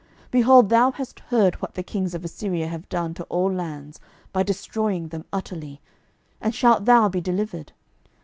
12:019:011 Behold, thou hast heard what the kings of Assyria have done to all lands, by destroying them utterly: and shalt thou be delivered?